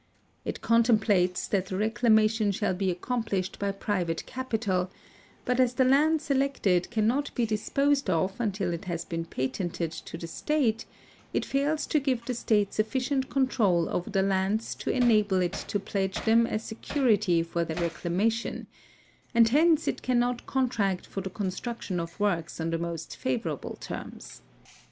It contemplates that the reclamation shall be accomplished by private capital, but as the land selected cannot be disposed of until it has been patented to the state, it fails to give the state sufficient control over the lands to enable it to pledge them as security for their reclama tion, and hence it cannot contract for the construction of works on the most favorable terms.